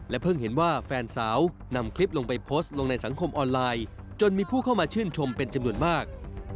เพิ่งเห็นว่าแฟนสาวนำคลิปลงไปโพสต์ลงในสังคมออนไลน์จนมีผู้เข้ามาชื่นชมเป็นจำนวนมาก